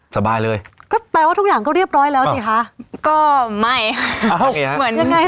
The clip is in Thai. สบายเลยก็แปลว่าทุกอย่างก็เรียบร้อยแล้วสิคะก็ไม่ค่ะเหมือนยังไง